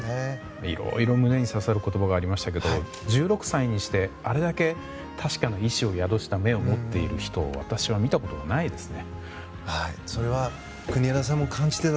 いろいろ胸に刺さる言葉がありましたが１６歳にしてあれだけ確かな意思を宿した目を持っている人を私は見たことがないですね。